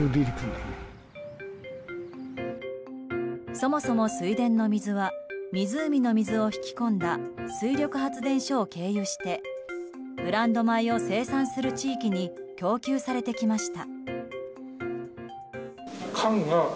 そもそも水田の水は湖の水を引き込んだ水力発電所を経由してブランド米を生産する地域に供給されてきました。